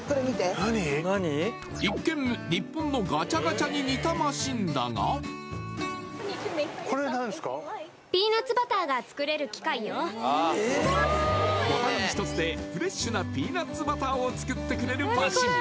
一見、日本のガチャガチャに似たマシンだがボタン１つでフレッシュなピーナッツバターを作ってくれるマシン。